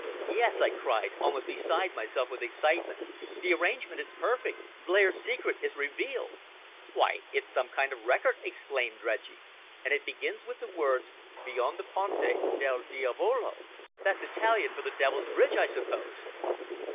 "Yes!" I cried, almost beside myself with excitement, "the arrangement is perfect. Blair's secret is revealed!" "Why, it's some kind of record!" exclaimed Reggie. "And it begins with the words `Between the Ponte del Diavolo!' That's Italian for the Devil's Bridge, I suppose!"